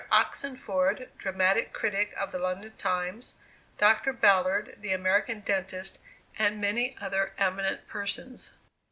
Oxenford, dramatic critic of the London Times, Dr. Ballard, the American dentist, and many other eminent persons.